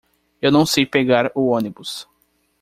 Eu não sei pegar o ônibus.